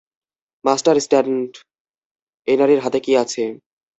Master Stanton, এই নারীর হাতে কী আছে?